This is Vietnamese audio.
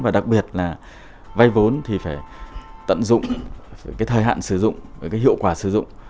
và đặc biệt là vay vốn thì phải tận dụng thời hạn sử dụng hiệu quả sử dụng